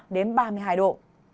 đến ba mươi hai độ